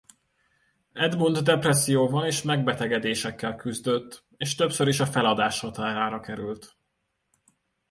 Edmund depresszióval és megbetegedésekkel küzdött és többször is a feladás határára került.